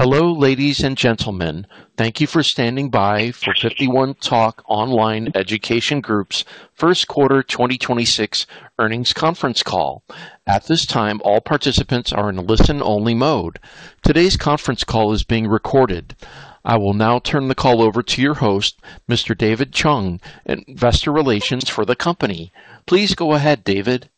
Hello, ladies and gentlemen. Thank you for standing by for 51Talk Online Education Group's first quarter 2026 earnings conference call. At this time, all participants are in listen-only mode. Today's conference call is being recorded. I will now turn the call over to your host, Mr. David Chung, investor relations for the company. Please go ahead, David.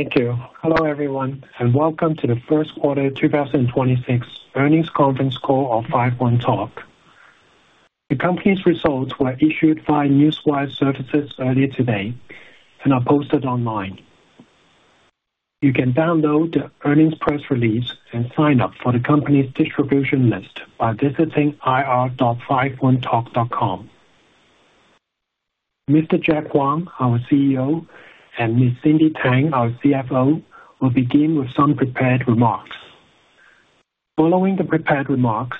Thank you. Hello, everyone, and welcome to the first quarter 2026 earnings conference call of 51Talk. The company's results were issued via Newswire services earlier today and are posted online. You can download the earnings press release and sign up for the company's distribution list by visiting ir.51talk.com. Mr. Jack Huang, our CEO, and Ms. Cindy Tang, our CFO, will begin with some prepared remarks. Following the prepared remarks,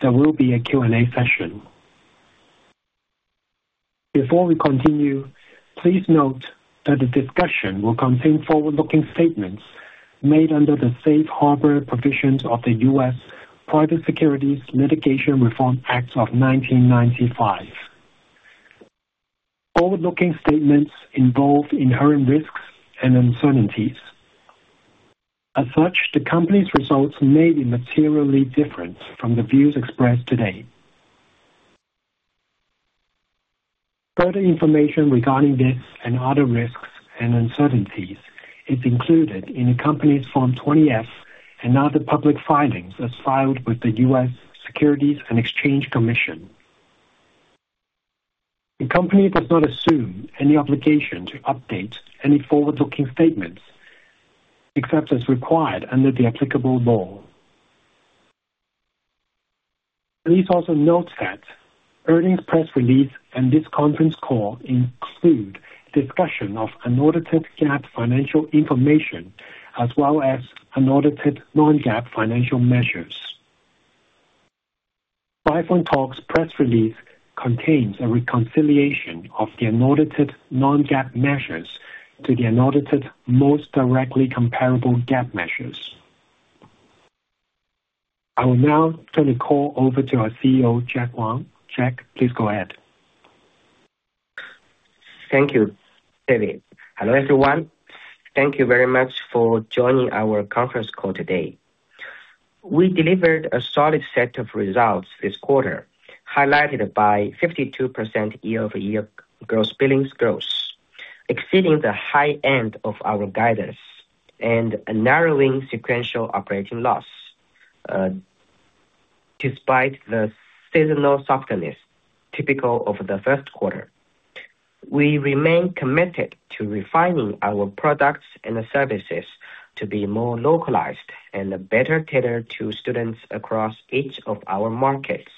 there will be a Q&A session. Before we continue, please note that the discussion will contain forward-looking statements made under the Safe Harbor provisions of the U.S. Private Securities Litigation Reform Act of 1995. Forward-looking statements involve inherent risks and uncertainties. As such, the company's results may be materially different from the views expressed today. Further information regarding this and other risks and uncertainties is included in the company's Form 20-F and other public filings as filed with the U.S. Securities and Exchange Commission. The company does not assume any obligation to update any forward-looking statements, except as required under the applicable law. Please also note that earnings press release and this conference call include a discussion of unaudited GAAP financial information, as well as unaudited non-GAAP financial measures. 51Talk's press release contains a reconciliation of the unaudited non-GAAP measures to the unaudited most directly comparable GAAP measures. I will now turn the call over to our CEO, Jack Huang. Jack, please go ahead. Thank you, David. Hello, everyone. Thank you very much for joining our conference call today. We delivered a solid set of results this quarter, highlighted by 52% year-over-year gross billings growth, exceeding the high end of our guidance and narrowing sequential operating loss, despite the seasonal softness typical of the first quarter. We remain committed to refining our products and services to be more localized and better tailored to students across each of our markets,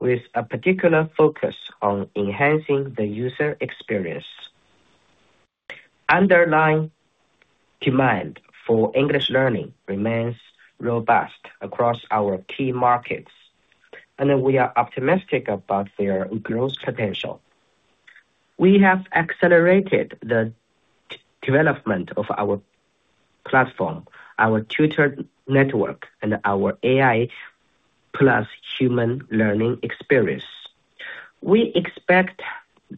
with a particular focus on enhancing the user experience. Underlying demand for English learning remains robust across our key markets, and we are optimistic about their growth potential. We have accelerated the development of our platform, our tutor network, and our AI-plus-human learning experience. We expect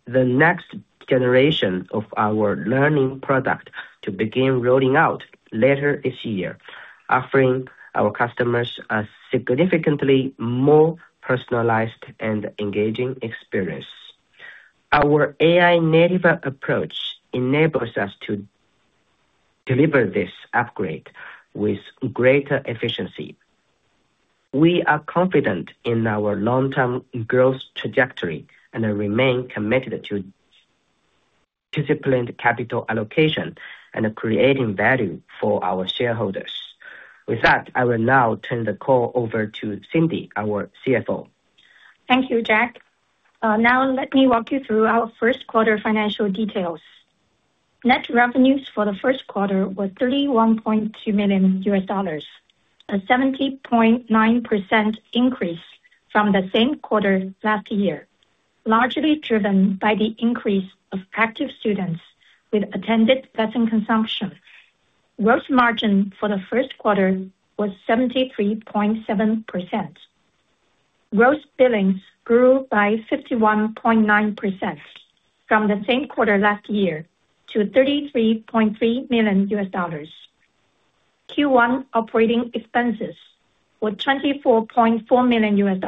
the next generation of our learning product to begin rolling out later this year, offering our customers a significantly more personalized and engaging experience. Our AI-native approach enables us to deliver this upgrade with greater efficiency. We are confident in our long-term growth trajectory and remain committed to disciplined capital allocation and creating value for our shareholders. With that, I will now turn the call over to Cindy, our CFO. Thank you, Jack. Let me walk you through our first quarter financial details. Net revenues for the first quarter were $31.2 million, a 70.9% increase from the same quarter last year, largely driven by the increase of active students with attended lesson consumption. Gross margin for the first quarter was 73.7%. Gross billings grew by 51.9% from the same quarter last year to $33.3 million. Q1 operating expenses were $24.4 million,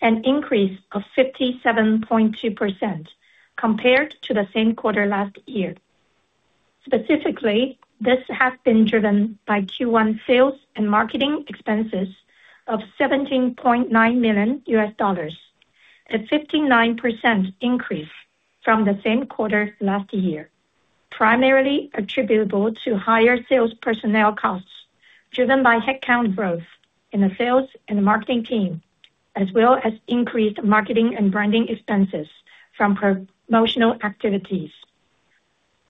an increase of 57.2% compared to the same quarter last year. Specifically, this has been driven by Q1 sales and marketing expenses of $17.9 million, a 59% increase from the same quarter last year, primarily attributable to higher sales personnel costs driven by headcount growth in the sales and marketing team, as well as increased marketing and branding expenses from promotional activities.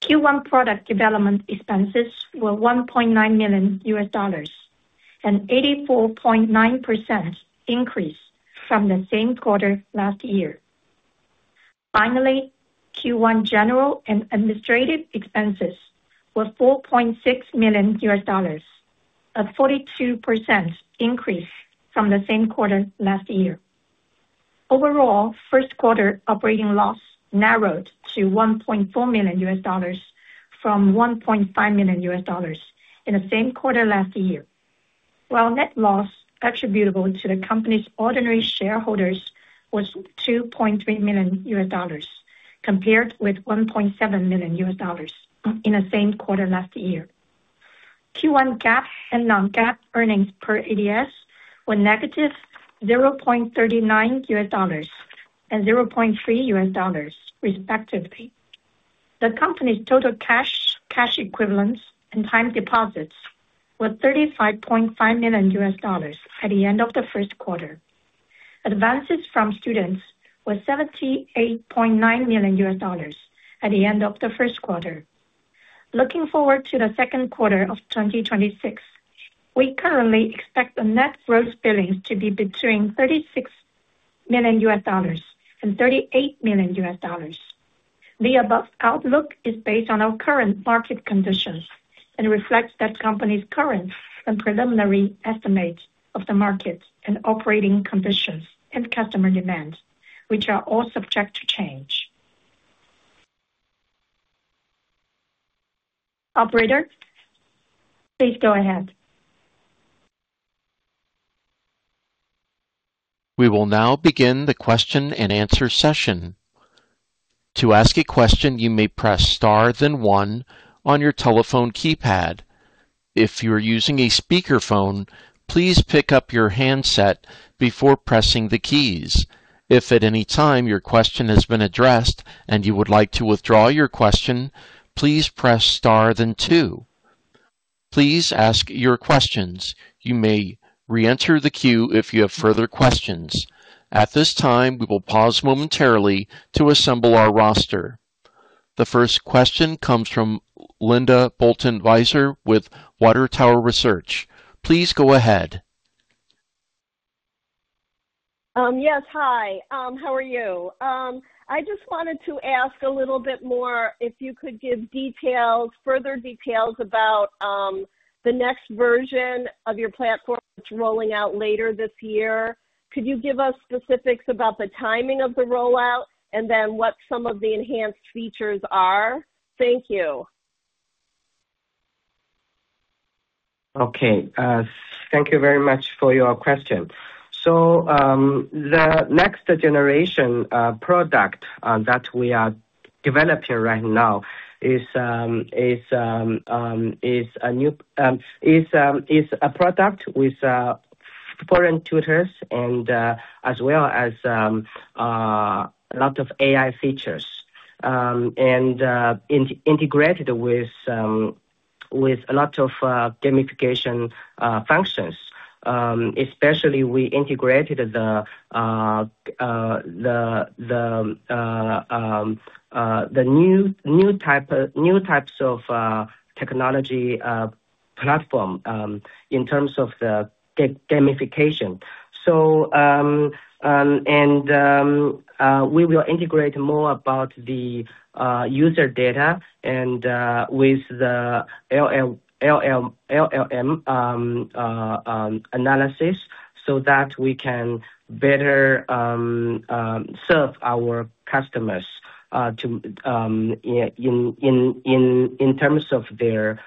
Q1 product development expenses were $1.9 million, an 84.9% increase from the same quarter last year. Finally, Q1 general and administrative expenses were $4.6 million, a 42% increase from the same quarter last year. Overall, first quarter operating loss narrowed to $1.4 million from $1.5 million in the same quarter last year. While net loss attributable to the company's ordinary shareholders was $2.3 million compared with $1.7 million in the same quarter last year. Q1 GAAP and non-GAAP earnings per ADS were -$0.39 and -$0.3 respectively. The company's total cash equivalents, and time deposits were $35.5 million at the end of the first quarter. Advances from students were $78.9 million at the end of the first quarter. Looking forward to the second quarter of 2026, we currently expect the net gross billings to be between $36 million and $38 million. The above outlook is based on our current market conditions and reflects that company's current and preliminary estimates of the markets and operating conditions and customer demands, which are all subject to change. Operator, please go ahead. We will now begin the question-and-answer session. To ask a question, you may press star then one on your telephone keypad. If you're using a speakerphone, please pick up your handset before pressing the keys. If at any time your question has been addressed and you would like to withdraw your question, please press star then two. Please ask your questions. You may re-enter the queue if you have further questions. At this time, we will pause momentarily to assemble our roster. The first question comes from Linda Bolton Weiser with Water Tower Research. Please go ahead. Yes. Hi. How are you? I just wanted to ask a little bit more if you could give further details about the next version of your platform that's rolling out later this year. Could you give us specifics about the timing of the rollout and then what some of the enhanced features are? Thank you. Thank you very much for your question. The next-generation product that we are developing right now is a product with foreign tutors and as well as a lot of AI features, and integrated with a lot of gamification functions. Especially, we integrated the new types of technology platform in terms of the gamification. We will integrate more about the user data and with the LLM analysis so that we can better serve our customers in terms of their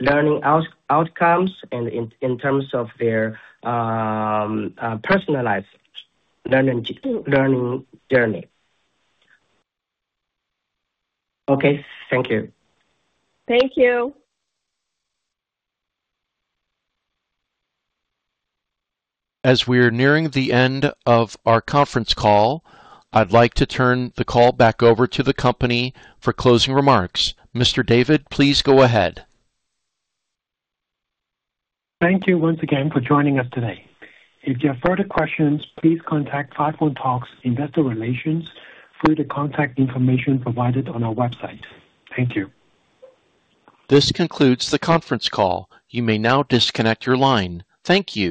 learning outcomes and in terms of their personalized learning journey. Okay. Thank you. Thank you. As we're nearing the end of our conference call, I'd like to turn the call back over to the company for closing remarks. Mr. David, please go ahead. Thank you once again for joining us today. If you have further questions, please contact 51Talk's investor relations through the contact information provided on our website. Thank you. This concludes the conference call. You may now disconnect your line. Thank you.